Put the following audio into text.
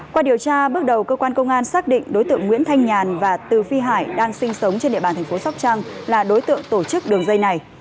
qua điều tra bước đầu cơ quan công an xác định đối tượng nguyễn thanh nhàn và từ phi hải đang sinh sống trên địa bàn thành phố sóc trăng là đối tượng tổ chức đường dây này